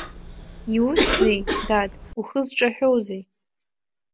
Иухьзеи, дад, ухы зҿаҳәоузеи?